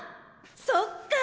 そっか！